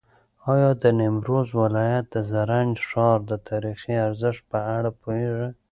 ایا د نیمروز ولایت د زرنج ښار د تاریخي ارزښت په اړه پوهېږې؟